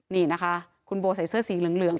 นี่นะคะคุณโบใส่เสื้อสีเหลือง